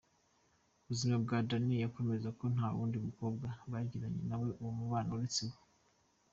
buzima bwa Danny yemeza ko ntawundi mukobwa yagiranye na we umubano uretse uwo.